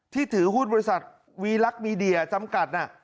ถือหุ้นบริษัทวีลักษณ์มีเดียจำกัด